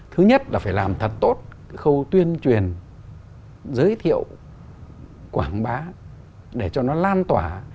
thứ nhất là phải làm thật tốt khâu tuyên truyền giới thiệu quảng bá để cho nó lan tỏa